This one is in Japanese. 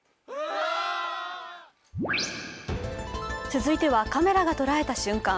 続いてはカメラが捉えた瞬間。